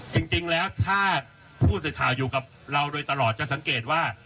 จริงแล้วถ้าผู้สื่อข่าวอยู่กับเราโดยตลอดจะสังเกตว่า